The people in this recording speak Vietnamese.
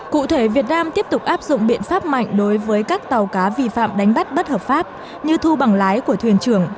cụ thể việt nam tiếp tục áp dụng biện pháp mạnh đối với các tàu cá vi phạm đánh bắt bất hợp pháp như thu bằng lái của thuyền trưởng